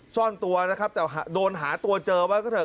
ซ่อนตัวนะครับแต่โดนหาตัวเจอไว้ก็เถ